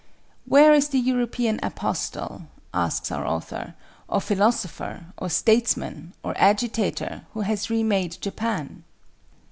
Where is the European apostle," asks our author, "or philosopher or statesman or agitator who has re made Japan?"